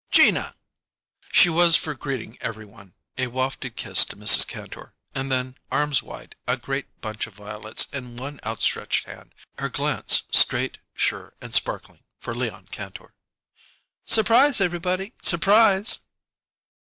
"Gina!" She was for greeting every one, a wafted kiss to Mrs. Kantor, and then, arms wide, a great bunch of violets in one outstretched hand, her glance straight, sure, and sparkling for Leon Kantor. "Surprise everybody surprise!"